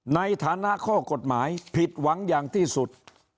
ในฐานะข้อกฎหมายผิดหวังอย่างที่สุด